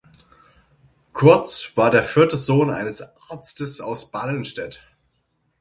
Curtze war der vierte Sohn eines Arztes aus Ballenstedt.